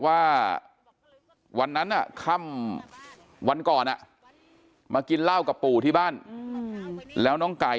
ว่าวันนั้นค่ำวันก่อนมากินเหล้ากับปู่ที่บ้านแล้วน้องไก่